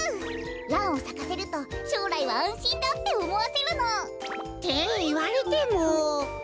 ランをさかせるとしょうらいはあんしんだっておもわせるの。っていわれても。